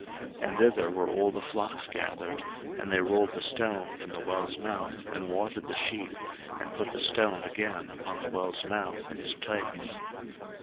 01:029:003 And thither were all the flocks gathered: and they rolled the stone from the well's mouth, and watered the sheep, and put the stone again upon the well's mouth in his place.